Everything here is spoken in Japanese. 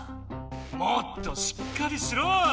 もっとしっかりしろ！